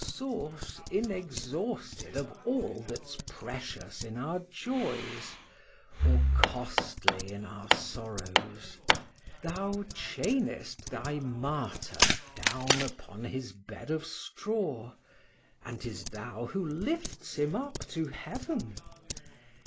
source inexhausted of all that's precious in our joys, or costly in our sorrows! thou chainest thy martyr down upon his bed of straw—and 'tis thou who lift'st him up to Heaven!